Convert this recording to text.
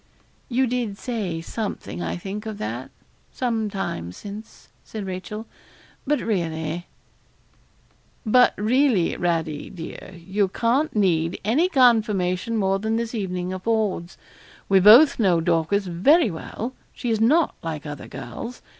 'You did say something, I think, of that, some time since,' said Rachel; 'but really ' 'But really, Radie, dear, you can't need any confirmation more than this evening affords. We both know Dorcas very well; she is not like other girls.